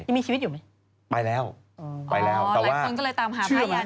ยังมีชีวิตอยู่ไหมไปแล้วไปแล้วแต่ว่าอ๋อหลายคนก็เลยตามหาพ่ายันกัน